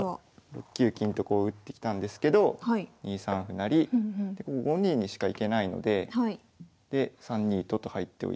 ６九金とこう打ってきたんですけど２三歩成５二にしかいけないのでで３二と金と入っておいて。